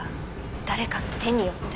誰かの手によって。